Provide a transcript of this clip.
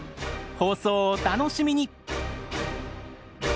放送をお楽しみに！